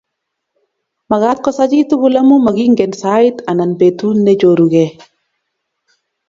Makaat kosaa chi tukul amu makinget sait anan betut nechorukei